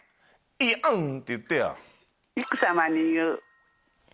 いやんって言ってや。